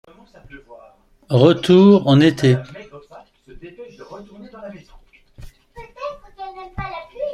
Retour en été.